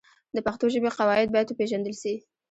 د پښتو ژبې قواعد باید وپېژندل سي.